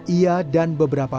ia dan beberapa